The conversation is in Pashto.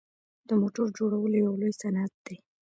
د موټرو جوړول یو لوی صنعت دی.